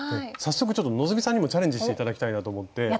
早速ちょっと希さんにもチャレンジして頂きたいなと思って。